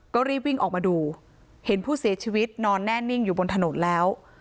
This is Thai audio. ก็รีบวิ่งออกมาดูเห็นผู้เสียชีวิตนอนแน่นิ่งอยู่บนถนนแล้ว